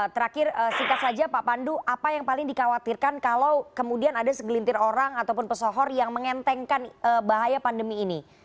terakhir singkat saja pak pandu apa yang paling dikhawatirkan kalau kemudian ada segelintir orang ataupun pesohor yang mengentengkan bahaya pandemi ini